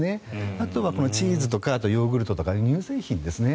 あとはチーズとかヨーグルトとか乳製品ですね。